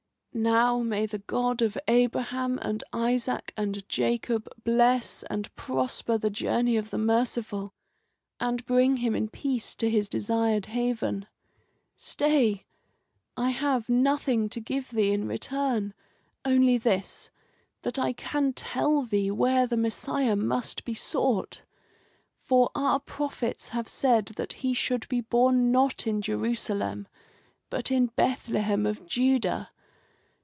"Now may the God of Abraham and Isaac and Jacob bless and prosper the journey of the merciful, and bring him in peace to his desired haven. Stay! I have nothing to give thee in return only this: that I can tell thee where the Messiah must be sought. For our prophets have said that he should be born not in Jerusalem, but in Bethlehem of Judah.